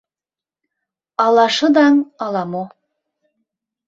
— Ала шыдаҥ, ала-мо.